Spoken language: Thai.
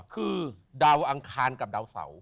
คือดาวอังคารกับดาวเสา